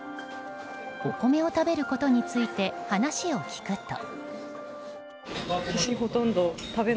お米を食べることについて話を聞くと。